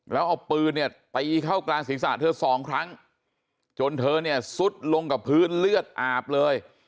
แล้วเอาปืนเนี่ยตีเข้ากลางศีรษะเธอสองครั้งจนเธอเนี่ยซุดลงกับพื้นเลือดอาบเลย